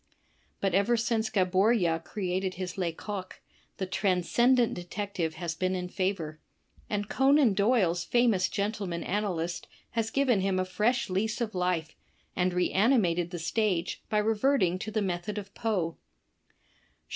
But ever since Gaboriau created his Lecoq, the transcendent detective has been in^avor; and Conan Doyle's famous gentleman analyst has ^ven him a fresh lease of life, and reanimated the stage by reverting to the method of Poe.